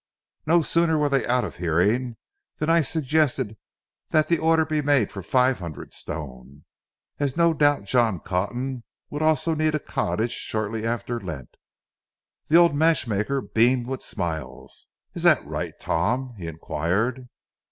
No sooner were they out of hearing than I suggested that the order be made for five hundred stone, as no doubt John Cotton would also need a cottage shortly after Lent. The old matchmaker beamed with smiles. "Is that right, Tom?" he inquired.